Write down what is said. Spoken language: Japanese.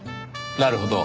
なるほど。